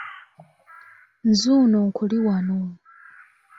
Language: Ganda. Nzuuno nkuli wano.